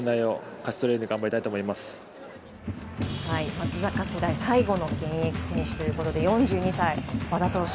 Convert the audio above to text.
松坂世代最後の現役選手ということで４２歳の和田投手